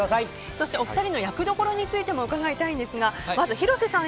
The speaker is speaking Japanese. そして、お二人の役どころについても伺いたいんですがまず広瀬さん